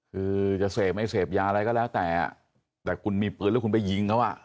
คือจะเสพไม่เสพยาอะไรก็แล้วแต่แต่คุณมีปืนแล้วคุณไปยิงเขาอ่ะ